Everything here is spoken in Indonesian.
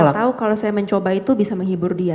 saya tahu kalau saya mencoba itu bisa menghibur dia